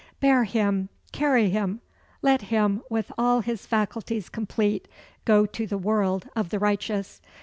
"Bear him, carry him; let him, with all his faculties complete, go to the world of the righteous.